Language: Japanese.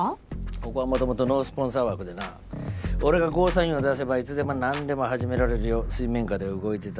ここは元々ノースポンサー枠でな俺がゴーサインを出せばいつでもなんでも始められるよう水面下で動いてた。